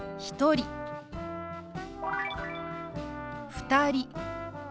「２人」。